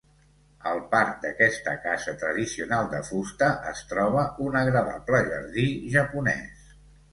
Al parc d'aquesta casa tradicional de fusta es troba un agradable jardí japonès.